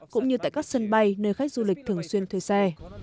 cũng như tại các sân bay nơi khách du lịch thường xuyên thuê xe